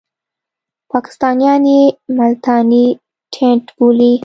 پاکستانیان یې ملتانی ټېنټ بولي.